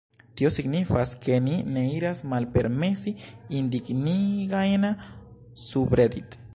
Tio signifas ke ni ne iras malpermesi indignigajn subredit.